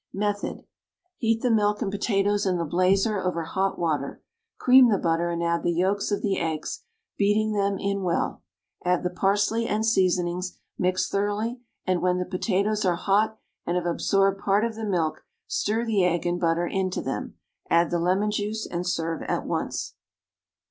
Method. Heat the milk and potatoes in the blazer over hot water. Cream the butter and add the yolks of the eggs, beating them in well; add the parsley and seasonings, mix thoroughly, and, when the potatoes are hot and have absorbed part of the milk, stir the egg and butter into them; add the lemon juice and serve at once.